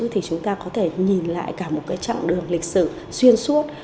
thì chúng ta có thể nhìn lại cả một trạng đường lịch sử xuyên suốt